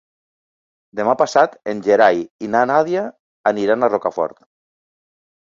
Demà passat en Gerai i na Nàdia aniran a Rocafort.